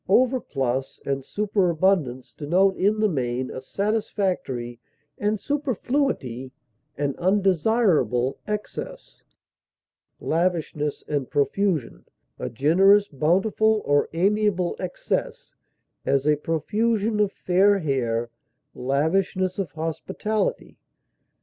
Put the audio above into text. Overplus and superabundance denote in the main a satisfactory, and superfluity an undesirable, excess; lavishness and profusion, a generous, bountiful, or amiable excess; as, a profusion of fair hair; lavishness of hospitality.